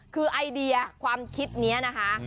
คือไอเดียความคิดนี้นะคะ